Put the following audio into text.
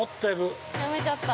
やめちゃった。